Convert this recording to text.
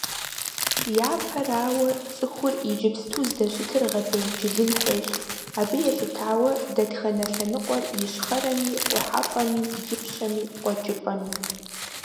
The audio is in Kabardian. Япэрауэ, цӀыхур иджыпсту здэщытыр гъэбелджылын хуейщ, абы елъытауэ дэтхэнэ лъэныкъуэр ищхъэрэми, къухьэпӀэми, ипщэми, къуэкӀыпӀэми.